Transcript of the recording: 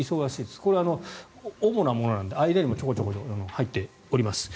これ、主なものなので間にもちょこちょこ入っております。